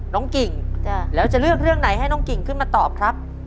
กิ่งแล้วจะเลือกเรื่องไหนให้น้องกิ่งขึ้นมาตอบครับ